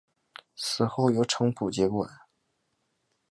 死后由程普接替。